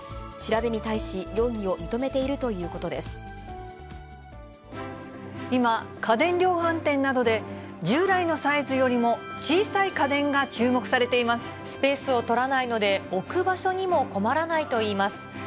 調べに対し、容疑を認めていると今、家電量販店などで従来のサイズよりも小さい家電が注目されていまスペースを取らないので、置く場所にも困らないといいます。